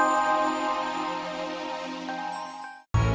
berada di rumah